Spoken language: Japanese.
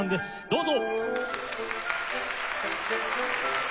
どうぞ！